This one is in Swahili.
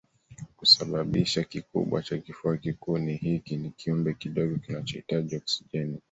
Kisababishi kikubwa cha kifua kikuu ni hiiki ni kiumbe kidogo kinachohitaji oksijeni